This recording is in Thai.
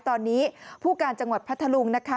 ตอนนี้ผู้การจังหวัดพัทธลุงนะคะ